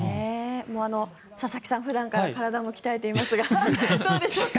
佐々木さん、普段から体も鍛えていますがどうでしょうか？